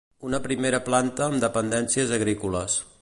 Una primera planta amb dependències agrícoles.